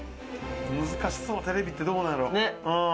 難しそうテレビってどうなんやろ。